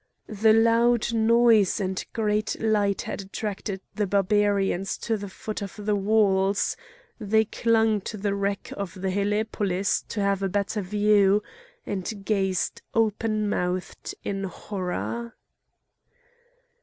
The loud noise and great light had attracted the Barbarians to the foot of the walls; they clung to the wreck of the helepolis to have a better view, and gazed open mouthed in horror.